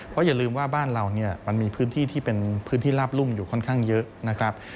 เพราะอย่าลืมว่าบ้านเราเนี่ยมันมีพื้นที่ที่เป็นพื้นที่ลาบรุ่มอยู่ค่อนข้างเยอะนะครับ